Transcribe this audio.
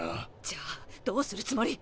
じゃあどうするつもり？